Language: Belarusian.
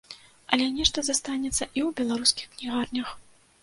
Але нешта застанецца і ў беларускіх кнігарнях.